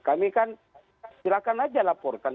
kami kan silakan aja laporkan